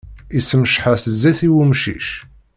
Issemceḥ-as zzit i wemcic.